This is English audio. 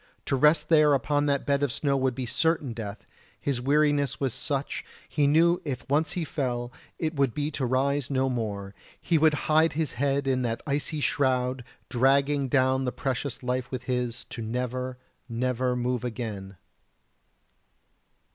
To rest there upon that bed of snow would be certain death; his weariness was such, he knew if once he fell it would be to rise no more he would hide his head in that icy shroud dragging down the precious life with his, to never, never move again.